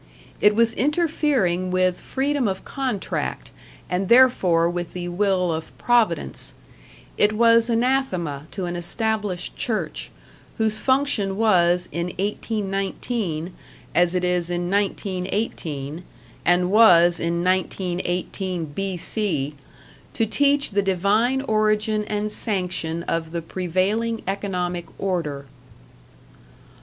It was interfering with freedom of contract, and therefore with the will of Providence; it was anathema to an established Church, whose function was in 1819, as it is in 1918, and was in 1918 B.C., to teach the divine origin and sanction of the prevailing economic order.